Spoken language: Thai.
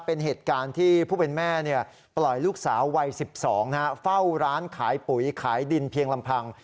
เป็นเหตุการณ์ที่ผู้เป็นแม่ปล่อยลูกสาววัย๑๒เฝ้าร้านขายปุ๋ยขายดินเพียงลำพัง